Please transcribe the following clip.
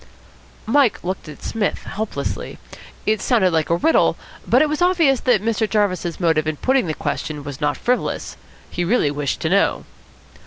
Mike looked at Psmith helplessly. It sounded like a riddle, but it was obvious that Mr. Jarvis's motive in putting the question was not frivolous. He really wished to know.